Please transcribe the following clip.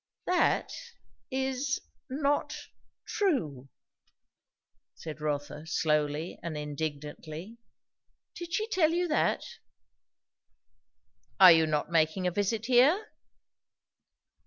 "That is not true!" said Rotha slowly and indignantly. "Did she tell you that?" "Are you not making a visit here?"